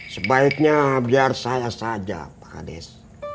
sebaiknya biar saya saja pak hadis